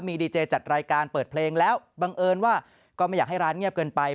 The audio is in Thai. มีดีเจจัดรายการเปิดเพลงแล้วบังเอิญว่าก็ไม่อยากให้ร้านเงียบเกินไป